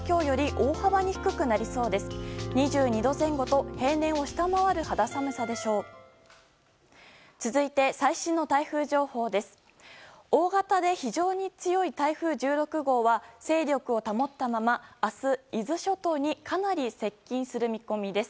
大型で非常に強い台風１６号は勢力を保ったまま明日、伊豆諸島にかなり接近する見込みです。